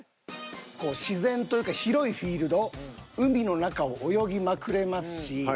自然というか広いフィールド海の中を泳ぎまくれますし。